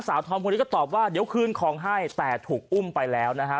ทอมคนนี้ก็ตอบว่าเดี๋ยวคืนของให้แต่ถูกอุ้มไปแล้วนะฮะ